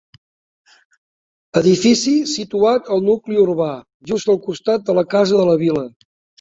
Edifici situat al nucli urbà, just al costat de la Casa de la Vila.